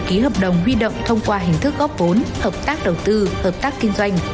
ký hợp đồng huy động thông qua hình thức góp vốn hợp tác đầu tư hợp tác kinh doanh